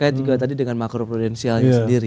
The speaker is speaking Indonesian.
kait juga tadi dengan makro prudensialnya sendiri